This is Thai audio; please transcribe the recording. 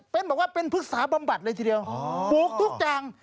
เป็นบอกว่าเป็นพฤกษาบำบัดเลยทีเดียวปลูกทุกอย่าง